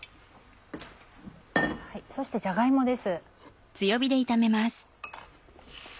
そしてじゃが芋です。